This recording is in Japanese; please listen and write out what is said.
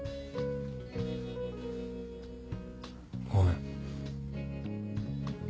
ごめん。